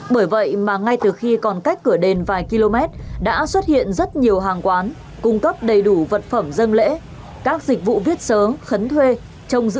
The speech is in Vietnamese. bởi vậy mà ngay từ khi còn cách cửa đền vài km đã xuất hiện rất nhiều hàng quán cung cấp đầy đủ vật phẩm dân lễ các dịch vụ viết sớ khấn thuê trông giữ xe